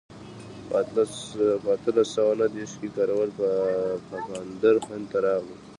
په اتلس سوه نهه دېرش کې کارل پفاندر هند ته راغی.